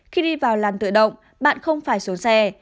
khi đi vào làn tự động bạn không phải số xe